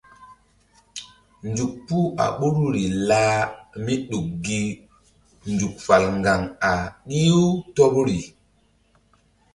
Nzuk puh a ɓoruri lah míɗuk gi nzuk fal ŋgaŋ a ɗih-u tɔbri.